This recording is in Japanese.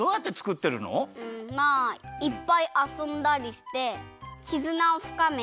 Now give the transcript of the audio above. まあいっぱいあそんだりしてきずなをふかめて。